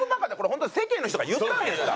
本当に世間の人が言ったんですか？